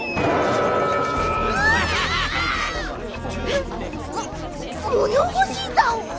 うわっ！えっ？もものほしざお？